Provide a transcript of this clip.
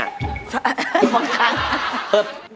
บางครั้ง